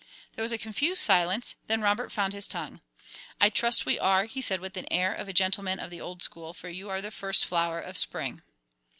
There was a confused silence, then Robert found his tongue. "I trust we are," he said, with the air of a gentleman of the old school, "for you are the first flower of Spring."